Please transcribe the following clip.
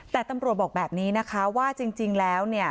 แต่ตำรวจบอกแบบนี้นะคะว่าจริงแล้วเนี่ย